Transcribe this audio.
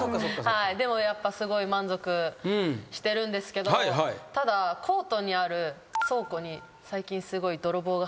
でもやっぱすごい満足してるんですけどただコートにある倉庫に最近。